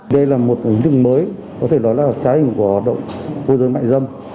đây là một ứng dụng mới có thể nói là trái hình của hoạt động môi giới mại dâm